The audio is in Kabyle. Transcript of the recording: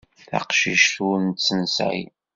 Taqcict ur tt-nesɛi.